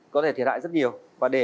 có thể thiệt hại rất nhiều và để